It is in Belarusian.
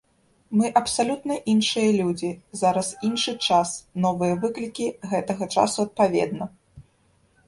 Мы абсалютна іншыя людзі, зараз іншы час, новыя выклікі гэтага часу адпаведна.